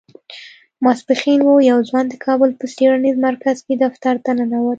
ماسپښين و يو ځوان د کابل په څېړنيز مرکز کې دفتر ته ننوت.